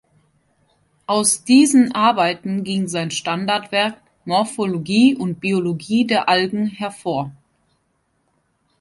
Aus diesen Arbeiten ging sein Standardwerk „Morphologie und Biologie der Algen“ hervor.